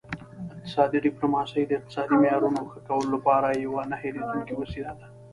اقتصادي ډیپلوماسي د اقتصادي معیارونو ښه کولو لپاره یوه نه هیریدونکې وسیله ده